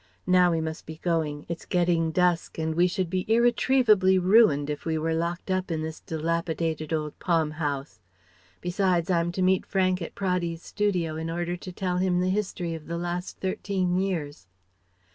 Now we must be going: it's getting dusk and we should be irretrievably ruined if we were locked up in this dilapidated old palm house. Besides, I'm to meet Frank at Praddy's studio in order to tell him the history of the last thirteen years."